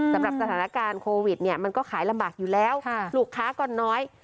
สำหรับสถานการณ์โควิดเนี่ยมันก็ขายลำบากอยู่แล้วลูกค้าก็น้อย